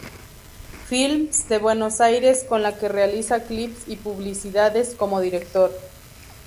Films" de Buenos Aires con la que realiza clips y publicidades como director.